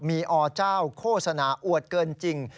มีอเจ้าโฆษณาอวดเกินจริง